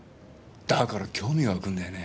だから興味わくんだよね。